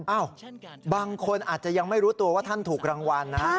บางคนอาจจะยังไม่รู้ตัวว่าท่านถูกรางวัลนะ